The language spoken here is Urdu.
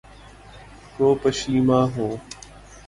کو پشیماں ہوں